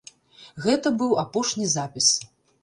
Гэта быў апошні запіс.